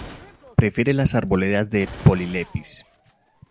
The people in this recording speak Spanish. Prefiere las arboledas de "Polylepis".